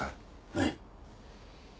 はい。